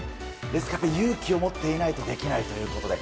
ですから勇気を持っていないとできないということで。